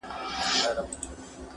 • په دولت او مال یې ډېر وو نازولی..